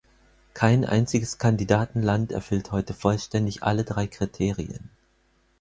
Kein einziges Kandidatenland erfüllt heute vollständig alle drei Kriterien.